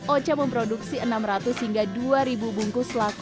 ocha memproduksi enam ratus hingga dua ribu bungkus laku